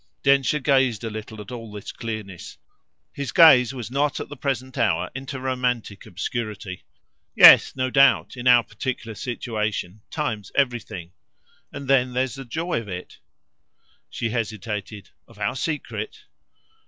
Densher gazed a little at all this clearness; his gaze was not at the present hour into romantic obscurity. "Yes; no doubt, in our particular situation, time's everything. And then there's the joy of it." She hesitated. "Of our secret?"